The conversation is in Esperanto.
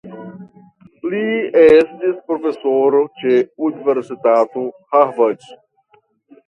Li estis profesoro ĉe Universitato Harvard.